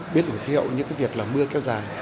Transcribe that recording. biết của khí hậu những cái việc là mưa kéo dài